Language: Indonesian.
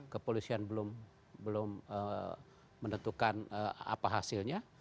kepolisian belum menentukan apa hasilnya